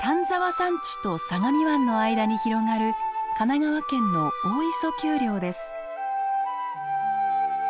山地と相模湾の間に広がる神奈川県の大磯丘陵です。